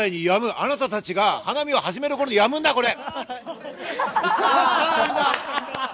あなたたちが花見を始める頃、やむんだ、これ！